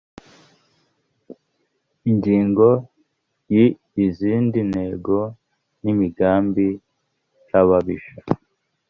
ingingo yi izindi ntego n imigambi yababisha